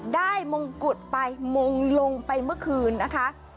มงกุฎไปมงลงไปเมื่อคืนนะคะ